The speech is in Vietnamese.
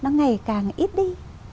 nó ngày càng ít đi